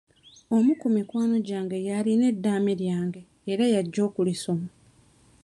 Omu ku mikwano gyange y'alina eddaame lyange era y'ajja okulisoma.